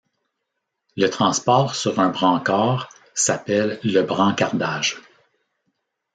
Le transport sur un brancard s'appelle le brancardage.